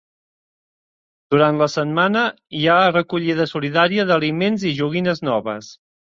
Durant la setmana hi ha recollida solidària d'aliments i de joguines noves.